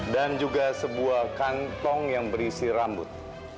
dan juga sebuah kantong yang berisi rambut